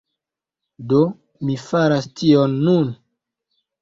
Do, mi faras tion nun